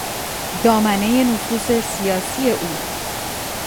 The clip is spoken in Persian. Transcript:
دامنهی نفوذ سیاسی او